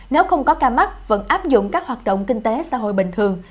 nếu không có ca mắc vẫn áp dụng các hoạt động kinh tế xã hội bình thường